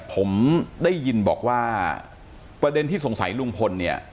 ผมได้ยินบอกว่าประเด็นที่สงสัยลุงพลเนี่ย